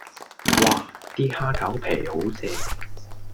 嘩 ！D 蝦餃皮好正